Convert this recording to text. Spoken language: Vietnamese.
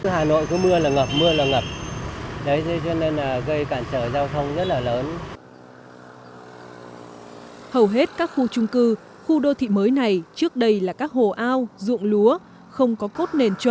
hầu hết các khu chung cư khu đô thị mới này trước đây là các hồ ao ruộng lúa không có cốt nền chuẩn